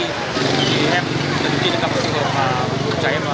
thì em đứng kia đã gặp một sự hộp và một trái em là